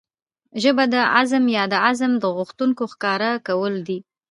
ژبه د عزم يا د عزم د غوښتنو ښکاره کول دي.